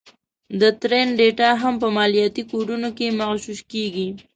د ټرینډ ډېټا هم په مالياتي کوډونو کې مغشوش کېږي